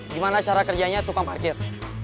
gimana cara kerjanya tukang parkir